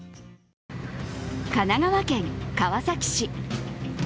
神奈川県川崎市。